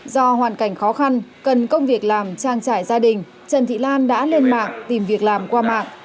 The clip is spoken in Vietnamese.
do hoàn cảnh khó khăn cần công việc làm trang trải gia đình trần thị lan đã lên mạng tìm việc làm qua mạng